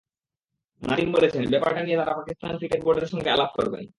নাদিম বলেছেন, ব্যাপারটা নিয়ে তারা পাকিস্তান ক্রিকেট বোর্ডের সঙ্গে আলাপ করবেন।